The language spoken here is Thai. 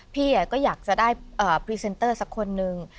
เพี้ยก็อยากเพรีเซนเตอร์ซักคนนึง